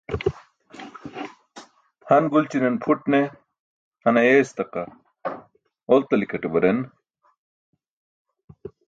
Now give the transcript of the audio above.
Han gulćinan pʰuṭ ne, han ayeestaqa, oltikaṭe baren.